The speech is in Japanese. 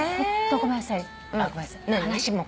ごめんなさい。